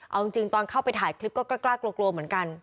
เอาจริงตอนเข้าไปถ่ายคลิปก็กล้ากลัวเหมือนกัน